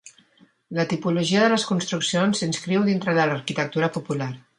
La tipologia de les construccions s'inscriu dintre de l'arquitectura popular.